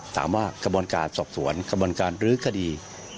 ถามว่ากระบวนการสอบสวนกระบวนการรื้อคดี